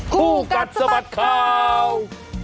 ครูกัตสมัติข่าว